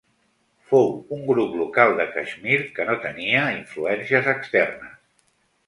Fou un grup local de Caixmir que no tenia influències externes.